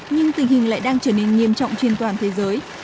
nhưng tình hình lại đang trở nên nghiêm trọng trên toàn thế giới